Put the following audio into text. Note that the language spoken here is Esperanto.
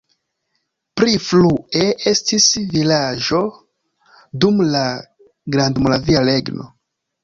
Pli frue estis vilaĝo dum la Grandmoravia Regno.